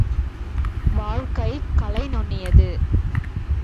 வாழ்க்கைக் கலை நுண்ணியது.